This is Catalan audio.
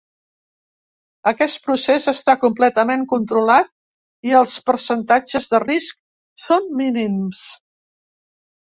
Aquest procés està completament controlat i els percentatges de risc són mínims.